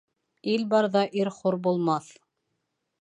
Ил барҙа ир хур булмаҫ